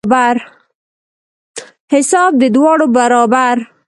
حساب د دواړو برابر.